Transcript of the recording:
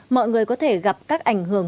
mọi người có thể gặp các ảnh hưởng